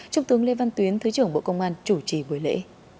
trung tướng lê văn tuyến thứ trưởng bộ công an chủ trì buổi lễ